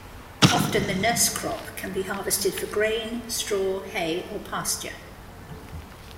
Often the nurse crop can be harvested for grain, straw, hay, or pasture.